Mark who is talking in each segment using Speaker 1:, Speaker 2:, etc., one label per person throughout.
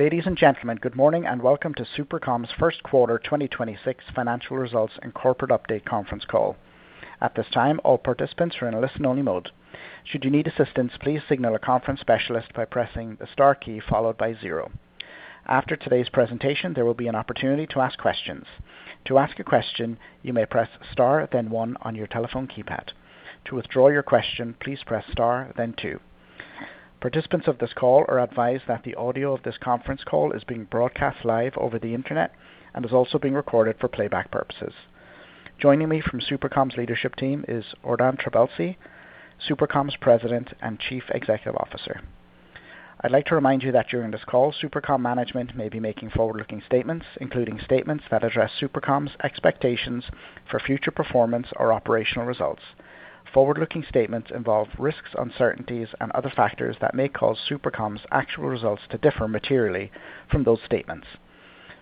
Speaker 1: Ladies and gentlemen, good morning, and welcome to SuperCom's first quarter 2026 financial results and corporate update conference call. At this time, all participants are in a listen-only mode. Should you need assistance, please signal a conference specialist by pressing the star key followed by zero. After today's presentation, there will be an opportunity to ask questions. To ask a question, you may press star then one on your telephone keypad. To withdraw your question, please press star then two. Participants of this call are advised that the audio of this conference call is being broadcast live over the Internet and is also being recorded for playback purposes. Joining me from SuperCom's leadership team is Ordan Trabelsi, SuperCom's President and Chief Executive Officer. I'd like to remind you that during this call, SuperCom management may be making forward-looking statements, including statements that address SuperCom's expectations for future performance or operational results. Forward-looking statements involve risks, uncertainties and other factors that may cause SuperCom's actual results to differ materially from those statements.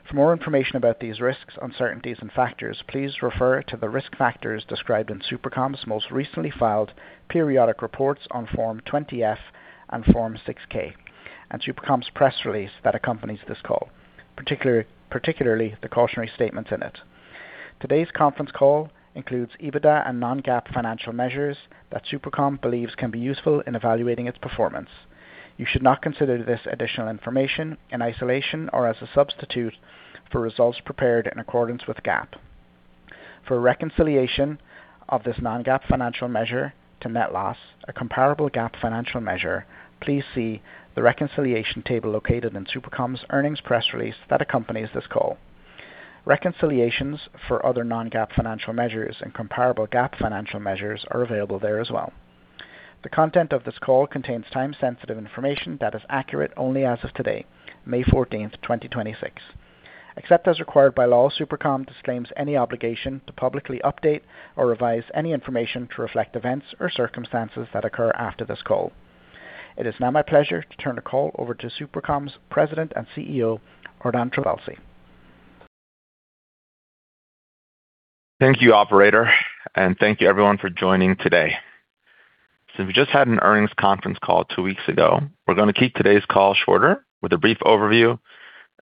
Speaker 1: For more information about these risks, uncertainties and factors, please refer to the risk factors described in SuperCom's most recently filed periodic reports on Form 20-F and Form 6-K, and SuperCom's press release that accompanies this call, particularly the cautionary statements in it. Today's conference call includes EBITDA and non-GAAP financial measures that SuperCom believes can be useful in evaluating its performance. You should not consider this additional information in isolation or as a substitute for results prepared in accordance with GAAP. For a reconciliation of this non-GAAP financial measure to net loss, a comparable GAAP financial measure, please see the reconciliation table located in SuperCom's earnings press release that accompanies this call. Reconciliations for other non-GAAP financial measures and comparable GAAP financial measures are available there as well. The content of this call contains time-sensitive information that is accurate only as of today, May 14, 2026. Except as required by law, SuperCom disclaims any obligation to publicly update or revise any information to reflect events or circumstances that occur after this call. It is now my pleasure to turn the call over to SuperCom's President and CEO, Ordan Trabelsi.
Speaker 2: Thank you, operator, and thank you everyone for joining today. Since we just had an earnings conference call two weeks ago, we're gonna keep today's call shorter with a brief overview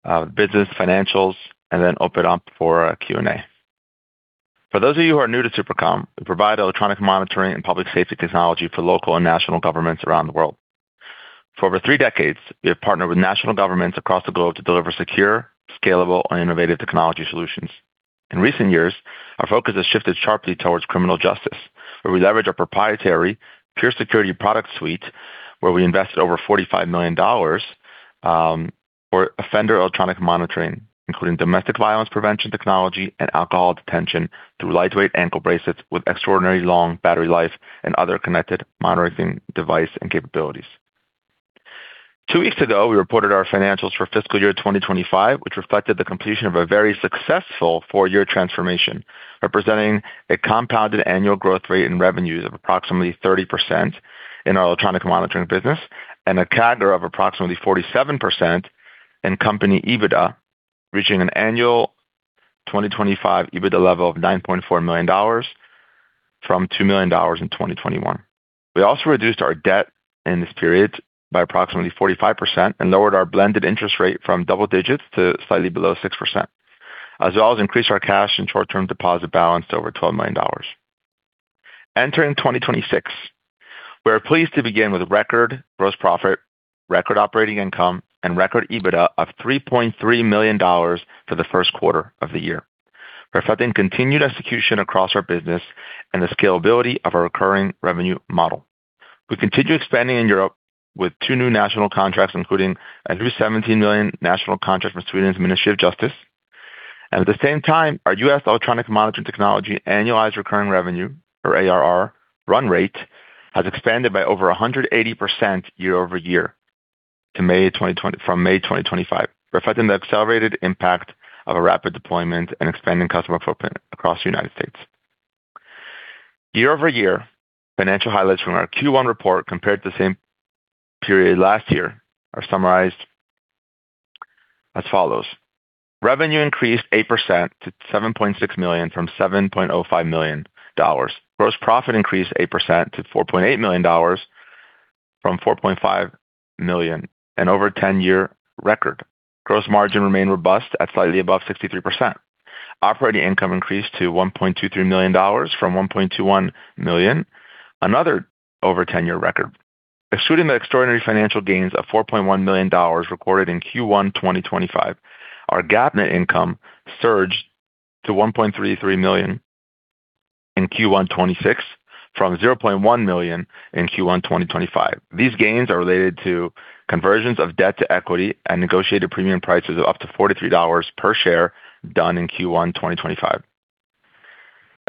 Speaker 2: of business financials and then open up for a Q&A. For those of you who are new to SuperCom, we provide electronic monitoring and public safety technology for local and national governments around the world. For over three decades, we have partnered with national governments across the globe to deliver secure, scalable, and innovative technology solutions. In recent years, our focus has shifted sharply towards criminal justice, where we leverage our proprietary PureSecurity product suite, where we invested over $45 million for offender electronic monitoring, including domestic violence prevention technology and alcohol detection through lightweight ankle bracelets with extraordinarily long battery life and other connected monitoring device and capabilities. Two weeks ago, we reported our financials for fiscal year 2025, which reflected the completion of a very successful four-year transformation, representing a compounded annual growth rate in revenues of approximately 30% in our electronic monitoring business and a CAGR of approximately 47% in company EBITDA, reaching an annual 2025 EBITDA level of $9.4 million from $2 million in 2021. We also reduced our debt in this period by approximately 45% and lowered our blended interest rate from double digits to slightly below 6%, as well as increased our cash and short-term deposit balance to over $12 million. Entering 2026, we are pleased to begin with record gross profit, record operating income, and record EBITDA of $3.3 million for the first quarter of the year, reflecting continued execution across our business and the scalability of our recurring revenue model. We continue expanding in Europe with two new national contracts, including a new $17 million national contract from Sweden's Ministry of Justice. At the same time, our U.S. electronic monitoring technology annualized recurring revenue or ARR run rate has expanded by over 180% year-over-year from May 2025, reflecting the accelerated impact of a rapid deployment and expanding customer footprint across the U.S. Year-over-year, financial highlights from our Q1 report compared to the same period last year are summarized as follows: Revenue increased 8% to $7.6 million from $7.05 million. Gross profit increased 8% to $4.8 million from $4.5 million, an over 10-year record. Gross margin remained robust at slightly above 63%. Operating income increased to $1.23 million from $1.21 million, another over 10-year record. Excluding the extraordinary financial gains of $4.1 million recorded in Q1 2025, our GAAP net income surged to $1.33 million in Q1 2026 from $0.1 million in Q1 2025. These gains are related to conversions of debt to equity and negotiated premium prices of up to $43 per share done in Q1 2025.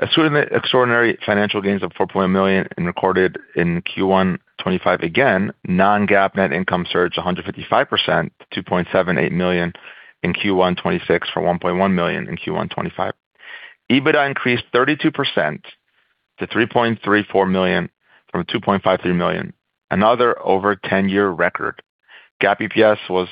Speaker 2: Excluding the extraordinary financial gains of $4.8 million and recorded in Q1 2025 again, non-GAAP net income surged 155% to $2.78 million in Q1 2026 from $1.1 million in Q1 2025. EBITDA increased 32% to $3.34 million from $2.53 million, another over 10-year record. GAAP EPS was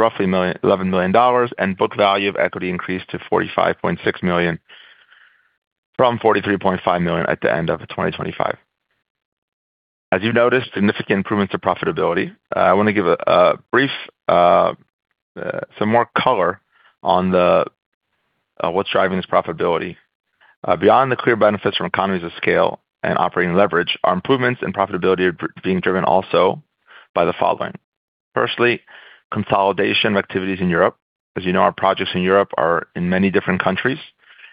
Speaker 2: roughly $0.24. Non-GAAP EPS was $0.51. Cash and cash equivalents increased $11 million, and book value of equity increased to $45.6 million from $43.5 million at the end of 2025. As you notice, significant improvements to profitability. I wanna give a brief, some more color on the what's driving this profitability. Beyond the clear benefits from economies of scale and operating leverage, our improvements in profitability are being driven also by the following. Firstly, consolidation of activities in Europe. As you know, our projects in Europe are in many different countries,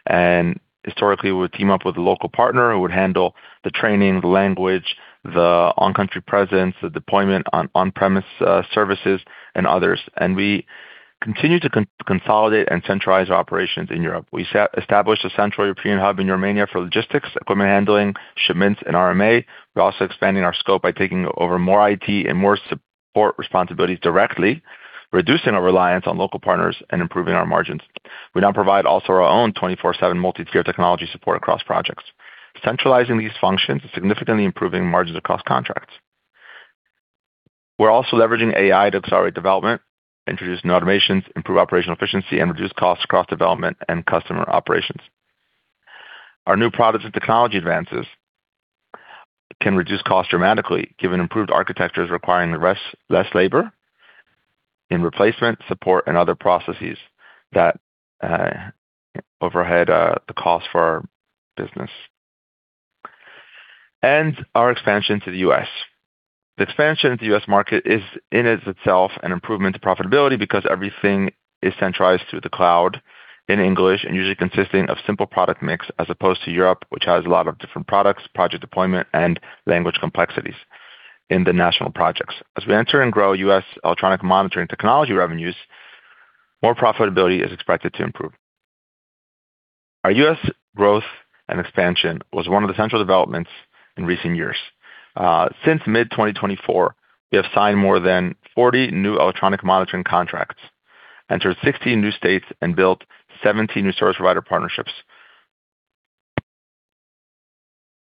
Speaker 2: and historically, we would team up with a local partner who would handle the training, the language, the on-country presence, the deployment on on-premise services and others. We continue to consolidate and centralize our operations in Europe. We established a central European hub in Romania for logistics, equipment handling, shipments, and RMA. We're also expanding our scope by taking over more IT and more support responsibilities directly, reducing our reliance on local partners and improving our margins. We now provide also our own 24/7 multi-tiered technology support across projects. Centralizing these functions is significantly improving margins across contracts. We're also leveraging AI to accelerate development, introduce new automations, improve operational efficiency, and reduce costs across development and customer operations. Our new products and technology advances can reduce costs dramatically, given improved architectures requiring less labor in replacement, support, and other processes that overhead the cost for our business. Our expansion to the U.S. The expansion to the U.S. market is in itself an improvement to profitability because everything is centralized through the cloud in English and usually consisting of simple product mix as opposed to Europe, which has a lot of different products, project deployment, and language complexities in the national projects. As we enter and grow U.S. electronic monitoring technology revenues, more profitability is expected to improve. Our U.S. growth and expansion was one of the central developments in recent years. Since mid-2024, we have signed more than 40 new electronic monitoring contracts. Entered 60 new states and built 17 new service provider partnerships.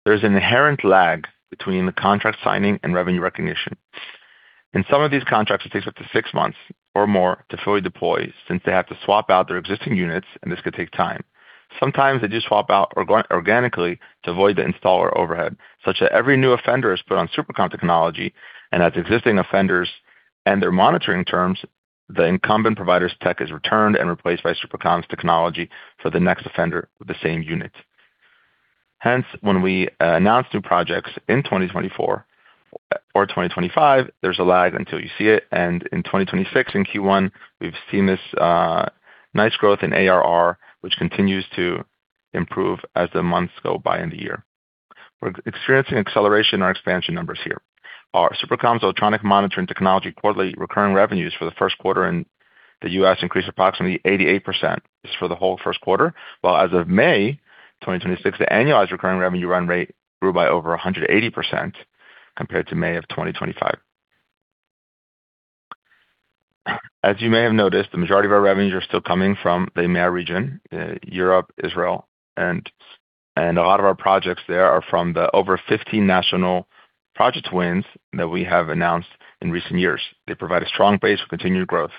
Speaker 2: There's an inherent lag between the contract signing and revenue recognition. In some of these contracts, it takes up to six months or more to fully deploy since they have to swap out their existing units, and this could take time. Sometimes they just swap out organically to avoid the installer overhead, such that every new offender is put on SuperCom technology and as existing offenders end their monitoring terms, the incumbent provider's tech is returned and replaced by SuperCom's technology for the next offender with the same unit. Hence, when we announce new projects in 2024 or 2025, there's a lag until you see it. In 2026, in Q1, we've seen this nice growth in ARR, which continues to improve as the months go by in the year. We're experiencing acceleration in our expansion numbers here. Our SuperCom's electronic monitoring technology quarterly recurring revenues for the first quarter in the U.S. increased approximately 88% just for the whole first quarter. While as of May 2026, the annualized recurring revenue run rate grew by over 180% compared to May 2025. As you may have noticed, the majority of our revenues are still coming from the EMEAR region, Europe, Israel, and a lot of our projects there are from the over 15 national project wins that we have announced in recent years. They provide a strong base for continued growth.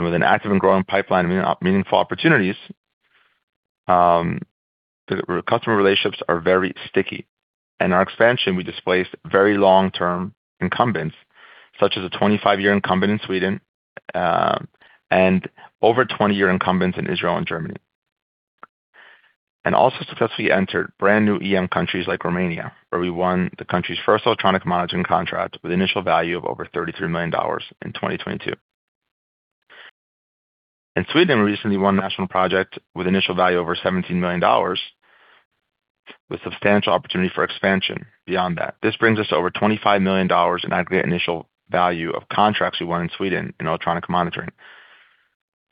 Speaker 2: With an active and growing pipeline of mean-meaningful opportunities, the customer relationships are very sticky. In our expansion, we displaced very long-term incumbents, such as a 25-year incumbent in Sweden, and over 20-year incumbents in Israel and Germany. Also successfully entered brand new EM countries like Romania, where we won the country's first electronic monitoring contract with initial value of over $33 million in 2022. In Sweden, we recently won a national project with initial value over $17 million, with substantial opportunity for expansion beyond that. This brings us to over $25 million in aggregate initial value of contracts we won in Sweden in electronic monitoring.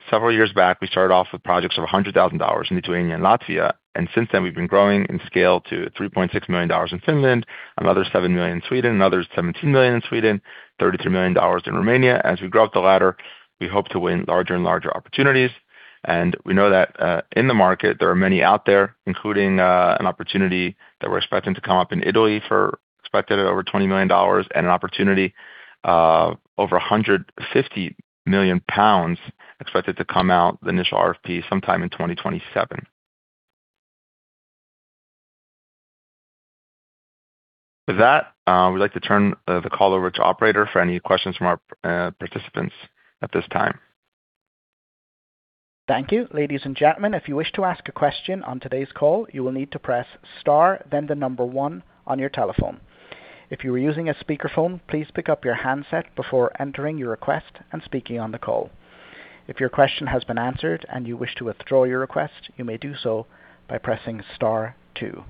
Speaker 2: Several years back, we started off with projects of $100,000 in between Latvia, and since then we've been growing in scale to $3.6 million in Finland, another $7 million in Sweden, another $17 million in Sweden, $33 million in Romania. As we go up the ladder, we hope to win larger and larger opportunities. We know that, in the market there are many out there, including an opportunity that we're expecting to come up in Italy for expected at over $20 million and an opportunity over 150 million pounds expected to come out the initial RFP sometime in 2027. With that, we'd like to turn the call over to operator for any questions from our participants at this time.
Speaker 1: Thank you. Ladies and gentlemen, if you wish to ask a question on today's call, you will need to press star, then the number one on your telephone. If you are using a speakerphone, please pick up your handset before entering your request and speaking on the call. If your question has been answered and you wish to withdraw your request, you may do so by pressing star two.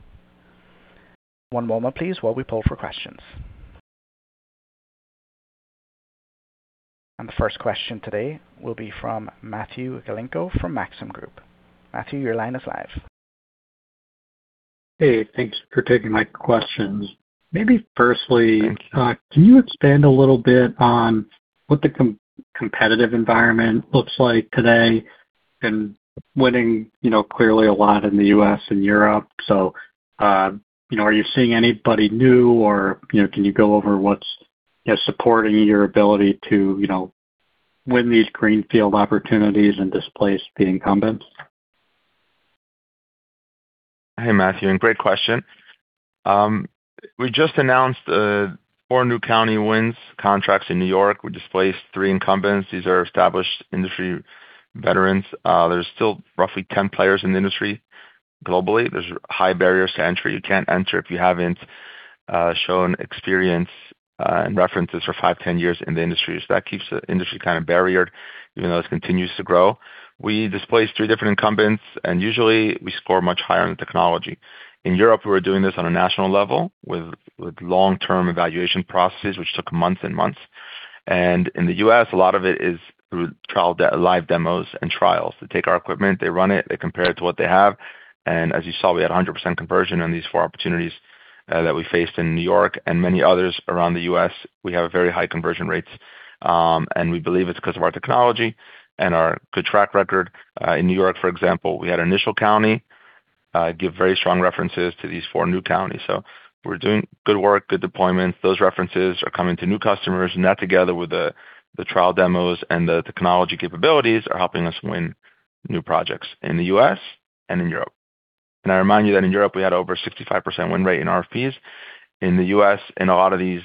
Speaker 1: One moment please, while we poll for questions. The first question today will be from Matthew Galinko from Maxim Group. Matthew, your line is live.
Speaker 3: Hey, thanks for taking my questions. Maybe firstly. Can you expand a little bit on what the competitive environment looks like today and winning, you know, clearly a lot in the U.S. and Europe. You know, are you seeing anybody new or, you know, can you go over what's, you know, supporting your ability to, you know, win these greenfield opportunities and displace the incumbents?
Speaker 2: Hey, Matthew, great question. We just announced four new county wins contracts in New York. We displaced three incumbents. These are established industry veterans. There's still roughly 10 players in the industry globally. There's high barriers to entry. You can't enter if you haven't shown experience and references for five, 10 years in the industry. That keeps the industry kind of barriered even though it continues to grow. We displaced three different incumbents, usually we score much higher on the technology. In Europe, we're doing this on a national level with long-term evaluation processes, which took months and months. In the U.S., a lot of it is through live demos and trials. They take our equipment, they run it, they compare it to what they have. As you saw, we had 100% conversion on these four opportunities that we faced in New York and many others around the U.S. We have very high conversion rates, and we believe it's 'cause of our technology and our good track record. In New York, for example, we had an initial county give very strong references to these four new counties. We're doing good work, good deployments. Those references are coming to new customers. That, together with the trial demos and the technology capabilities, are helping us win new projects in the U.S. and in Europe. Can I remind you that in Europe, we had over 65% win rate in RFPs. In the U.S., in a lot of these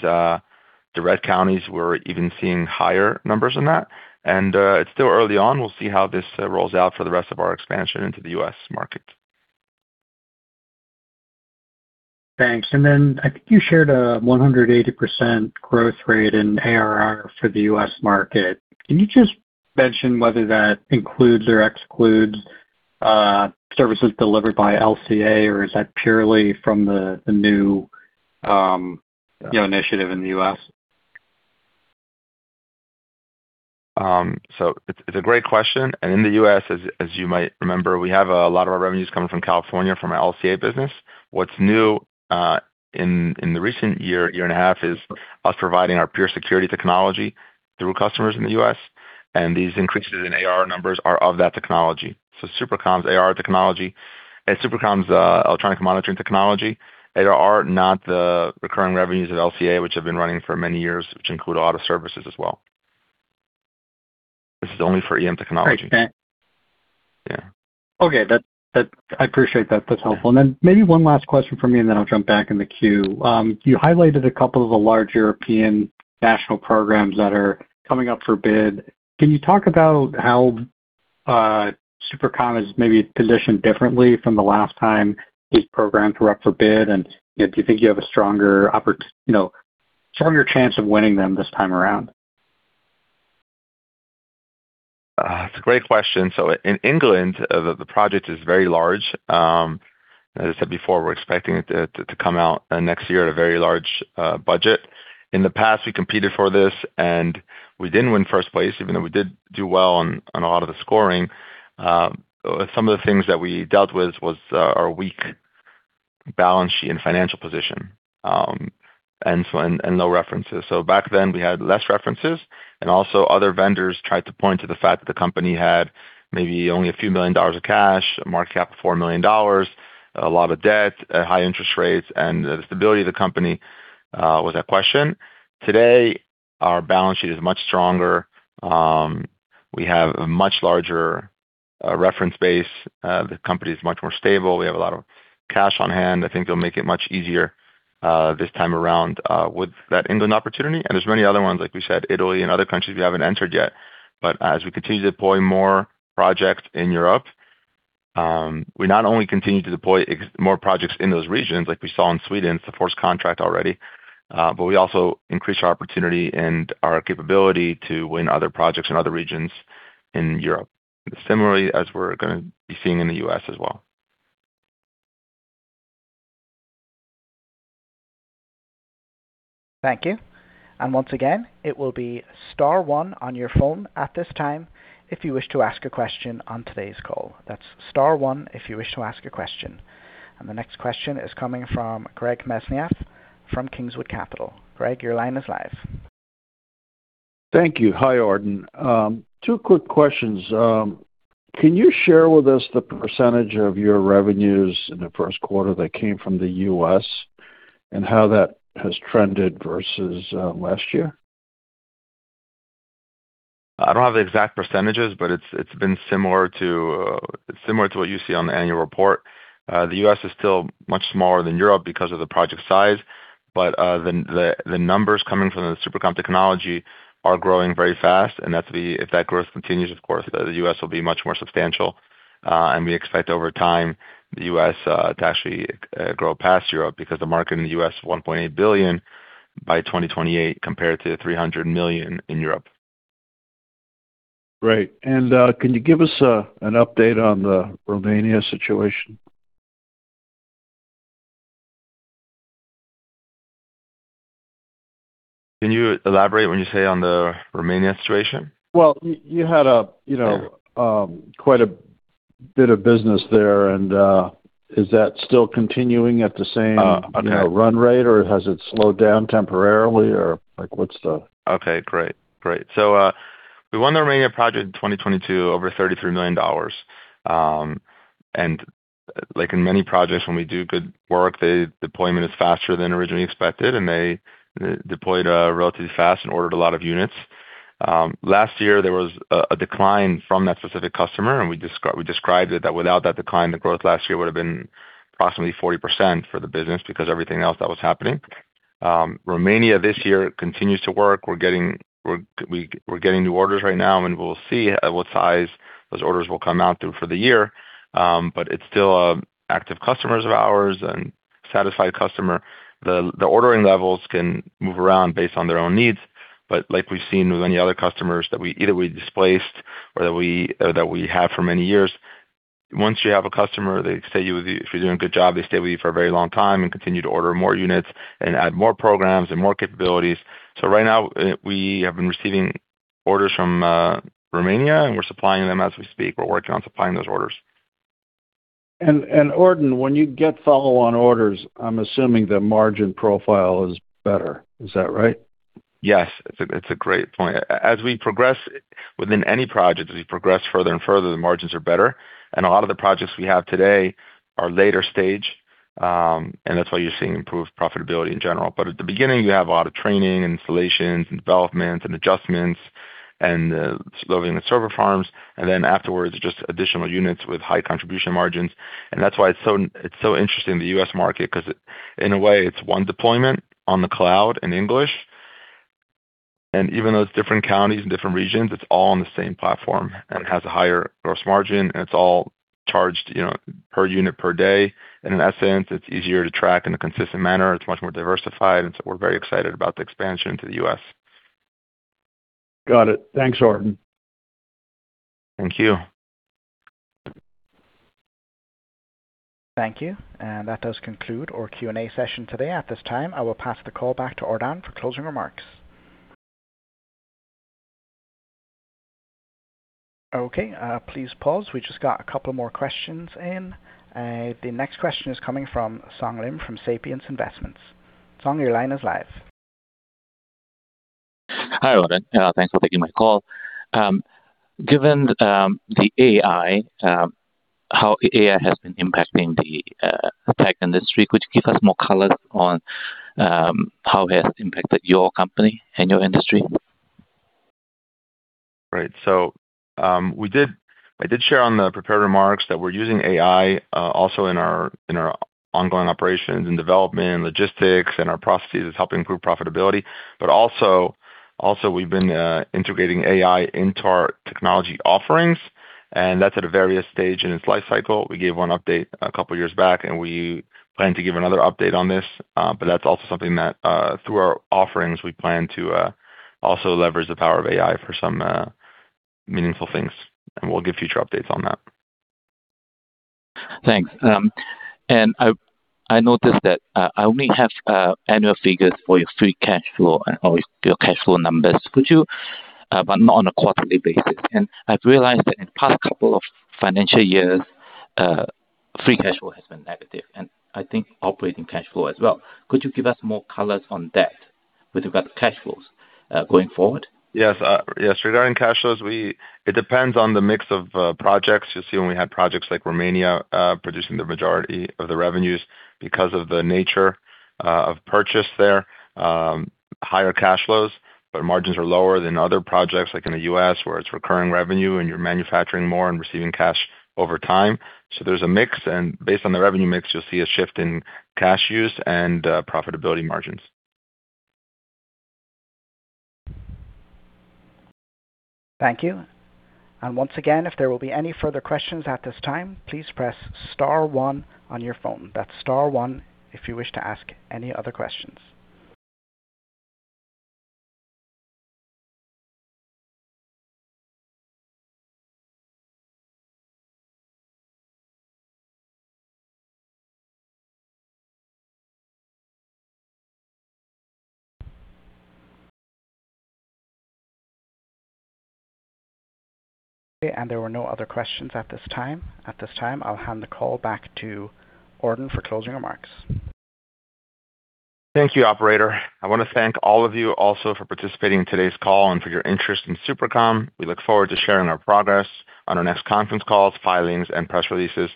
Speaker 2: direct counties, we're even seeing higher numbers than that. It's still early on. We'll see how this rolls out for the rest of our expansion into the U.S. market.
Speaker 3: Thanks. I think you shared a 180% growth rate in ARR for the U.S. market. Can you just mention whether that includes or excludes services delivered by LCA? Or is that purely from the new, you know, initiative in the U.S.?
Speaker 2: It's a great question. In the U.S. as you might remember, we have a lot of our revenues coming from California from our LCA business. What's new in the recent year and a half, is us providing our PureSecurity technology through customers in the U.S. These increases in ARR numbers are of that technology. SuperCom's ARR technology, SuperCom's electronic monitoring technology. ARR are not the recurring revenues of LCA, which have been running for many years, which include auto services as well. This is only for EM technology.
Speaker 3: Great.
Speaker 2: Yeah.
Speaker 3: Okay. That, I appreciate that. That's helpful. Maybe one last question from me, then I'll jump back in the queue. You highlighted a couple of the large European national programs that are coming up for bid. Can you talk about how SuperCom is maybe positioned differently from the last time these programs were up for bid? Do you think you have a stronger chance of winning them this time around?
Speaker 2: It's a great question. In England, the project is very large. As I said before, we're expecting it to come out next year at a very large budget. In the past, we competed for this, and we didn't win first place, even though we did do well on a lot of the scoring. Some of the things that we dealt with was our weak balance sheet and financial position, and low references. Back then, we had less references, and also other vendors tried to point to the fact that the company had maybe only a few million dollars of cash, a market cap of $4 million, a lot of debt at high interest rates, and the stability of the company was at question. Today, our balance sheet is much stronger. We have a much larger reference base. The company is much more stable. We have a lot of cash on hand. I think it'll make it much easier this time around with that England opportunity. There's many other ones, like we said, Italy and other countries we haven't entered yet. As we continue to deploy more projects in Europe, we not only continue to deploy more projects in those regions like we saw in Sweden, it's the fourth contract already, but we also increase our opportunity and our capability to win other projects in other regions in Europe. Similarly, as we're gonna be seeing in the U.S. as well.
Speaker 1: Thank you. Once again, it will be star one on your phone at this time if you wish to ask a question on today's call. That's star 1 if you wish to ask a question. The next question is coming from Greg Mesniaeff from Kingswood Capital. Greg, your line is live.
Speaker 4: Thank you. Hi, Ordan. Two quick questions. Can you share with us the percentage of your revenues in the first quarter that came from the U.S. and how that has trended versus last year?
Speaker 2: I don't have the exact percentages, but it's been similar to what you see on the annual report. The U.S. is still much smaller than Europe because of the project size. The numbers coming from the SuperCom technology are growing very fast, and that's if that growth continues, of course, the U.S. will be much more substantial. We expect over time the U.S. to actually grow past Europe because the market in the U.S. is $1.8 billion by 2028 compared to the $300 million in Europe.
Speaker 4: Great. Can you give us an update on the Romania situation?
Speaker 2: Can you elaborate when you say on the Romania situation?
Speaker 4: Well, you had a, you know, quite a bit of business there, is that still continuing at the same-
Speaker 2: Okay.
Speaker 4: -you know, run rate, or has it slowed down temporarily?
Speaker 2: Great. Great. We won the Romania project in 2022, over $33 million. Like in many projects, when we do good work, the deployment is faster than originally expected, and they deployed relatively fast and ordered a lot of units. Last year there was a decline from that specific customer, and we described it that without that decline, the growth last year would've been approximately 40% for the business because everything else that was happening. Romania this year continues to work. We're getting new orders right now, and we'll see at what size those orders will come out through for the year. But it's still active customers of ours and satisfied customer. The ordering levels can move around based on their own needs. Like we've seen with any other customers that we either displaced or that we have for many years, once you have a customer, they stay with you. If you're doing a good job, they stay with you for a very long time and continue to order more units and add more programs and more capabilities. Right now, we have been receiving orders from Romania, and we're supplying them as we speak. We're working on supplying those orders.
Speaker 4: Ordan, when you get follow-on orders, I'm assuming the margin profile is better. Is that right?
Speaker 2: Yes. It's a great point. As we progress within any project, as we progress further and further, the margins are better. A lot of the projects we have today are later stage, and that's why you're seeing improved profitability in general. At the beginning, you have a lot of training, installations, and developments, and adjustments and loading the server farms, and then afterwards, just additional units with high contribution margins. That's why it's so interesting, the U.S. market, cause in a way, it's one deployment on the cloud in English. Even though it's different counties and different regions, it's all on the same platform and has a higher gross margin, and it's all charged, you know, per unit per day. In essence, it's easier to track in a consistent manner. It's much more diversified. We're very excited about the expansion to the U.S.
Speaker 4: Got it. Thanks, Ordan.
Speaker 2: Thank you.
Speaker 1: Thank you. That does conclude our Q&A session today. At this time, I will pass the call back to Ordan for closing remarks. Okay, please pause. We just got a couple more questions in. The next question is coming from Song Lim from Sapient Investments. Song, your line is live.
Speaker 5: Hi, Ordan. Thanks for taking my call. Given the AI, how AI has been impacting the tech industry, could you give us more color on how it has impacted your company and your industry?
Speaker 2: Right. I did share on the prepared remarks that we're using AI also in our ongoing operations in development, logistics, in our processes. It's helping improve profitability. Also, we've been integrating AI into our technology offerings, and that's at a various stage in its life cycle. We gave one update a couple years back, and we plan to give another update on this. That's also something that through our offerings, we plan to also leverage the power of AI for some meaningful things, and we'll give future updates on that.
Speaker 5: Thanks. I noticed that I only have annual figures for your free cash flow or your cash flow numbers. But not on a quarterly basis. I've realized that in the past couple of financial years, free cash flow has been negative, and I think operating cash flow as well. Could you give us more color on that with regard to cash flows going forward?
Speaker 2: Yes. Yes. Regarding cash flows, it depends on the mix of projects. You'll see when we had projects like Romania, producing the majority of the revenues because of the nature of purchase there, higher cash flows, but margins are lower than other projects like in the U.S. where it's recurring revenue and you're manufacturing more and receiving cash over time. There's a mix, and based on the revenue mix, you'll see a shift in cash use and profitability margins.
Speaker 1: Thank you. Once again, if there will be any further questions at this time, please press star one on your phone. That's star one if you wish to ask any other questions. Okay. There were no other questions at this time. At this time, I'll hand the call back to Ordan for closing remarks.
Speaker 2: Thank you, operator. I wanna thank all of you also for participating in today's call and for your interest in SuperCom. We look forward to sharing our progress on our next conference calls, filings, and press releases.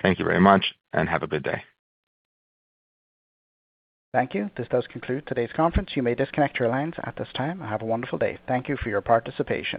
Speaker 2: Thank you very much, and have a good day.
Speaker 1: Thank you. This does conclude today's conference. You may disconnect your lines at this time. Have a wonderful day. Thank you for your participation.